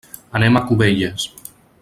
Anem a Cubelles.